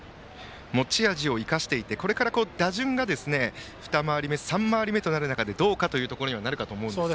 持ち味を生かしていてこれから打順が二回り目、３回り目となる中でどうかと思いますが。